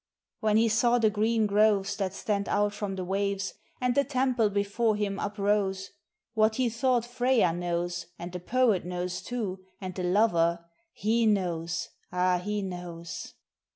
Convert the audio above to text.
When he saw the green groves that stand out from the waves, and the temple before him uprose, What he thought Freyja knows, and the poet knows too, and the lover, he knows, ah! he knows!